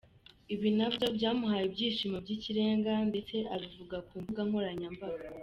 Ibi nabyo byamuhaye ibyishimo by’ikirenga ndetse abivuga ku mbuga nkoranyambaga.